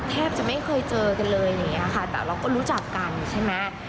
แทบจะไม่เคยเจอกันเลยอย่างนี้ค่ะแต่เราก็รู้จักกันใช่ไหม